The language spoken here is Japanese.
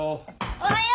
おはよう！